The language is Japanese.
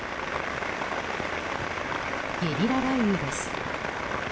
ゲリラ雷雨です。